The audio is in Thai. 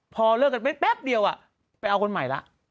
พอเลิกกันไปแป๊บเดียวไปเอาคนใหม่แล้ว